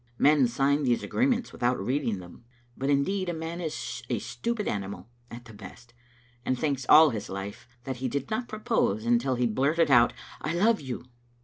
Men sign these agreements without reading them. But, indeed, man is a stupid animal at the best, and thinks all his life that he did not propose until he blurted out, " I love you."